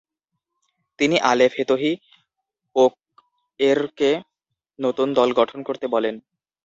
তিনি Ali Fethi ওকয়েরকে নতুন দল গঠন করতে বলেন।